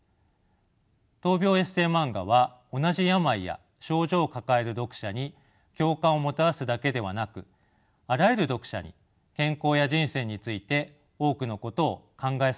闘病エッセーマンガは同じ病や症状を抱える読者に共感をもたらすだけではなくあらゆる読者に健康や人生について多くのことを考えさせてくれるものです。